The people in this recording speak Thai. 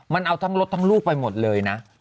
มันเอาทั้งรถทั้งลูกไปหมดเลยนะ